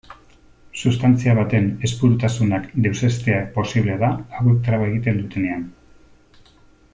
Substantzia baten ezpurutasunak deuseztea posible da hauek traba egiten dutenean.